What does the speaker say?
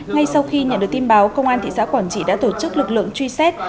ngay sau khi nhận được tin báo công an thị xã quảng trị đã tổ chức lực lượng truy xét